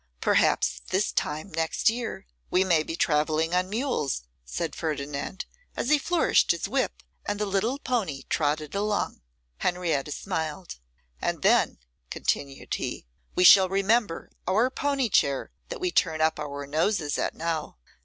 'Perhaps this time next year, we may be travelling on mules,' said Ferdinand, as he flourished his whip, and the little pony trotted along. Henrietta smiled. 'And then,' continued he, 'we shall remember our pony chair that we turn up our noses at now.